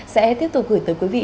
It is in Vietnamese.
sẽ tiếp tục gửi tới quý vị